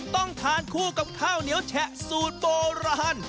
ต้องทานคู่กับข้าวเหนียวแฉะสูตรโบราณ